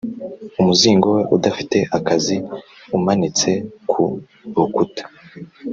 umuzingo we udafite akazi umanitse ku rukuta,